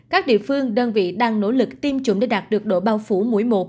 các địa phương đơn vị đang nỗ lực tiêm chủng để đạt được độ bao phủ mũi một